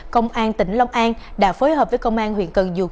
công an tỉnh long an đã phối hợp với công an huyện cần duộ